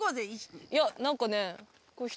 いや何かねこれ。